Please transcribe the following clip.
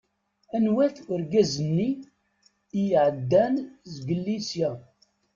Anwa-t urgaz-nni i iɛeddan zgelli sya?